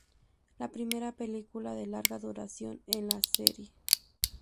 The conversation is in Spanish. La primera película de larga duración en la serie.